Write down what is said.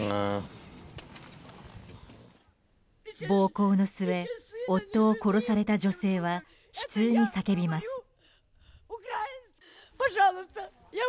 暴行の末、夫を殺された女性は悲痛に叫びます。